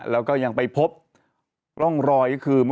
แล้วก็ยังไปพบร่องรอยก็คือ